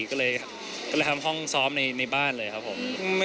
ก็เลยไปทำห้องซ้อมในบ้านเลยครับผม